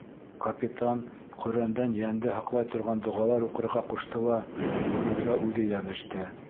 Капитан Ҡөрьәндән йәнде һаҡлай торған доғалар уҡырға ҡушты ла рулгә үҙе йәбеште.